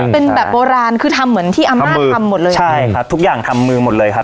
เป็นแบบโบราณคือทำเหมือนที่อำนาจทำหมดเลยใช่ครับทุกอย่างทำมือหมดเลยครับ